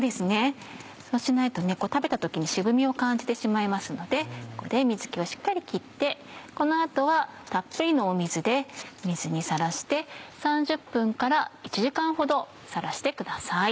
そうしないと食べた時に渋味を感じてしまいますのでここで水気をしっかり切ってこの後はたっぷりの水で水にさらして３０分から１時間ほどさらしてください。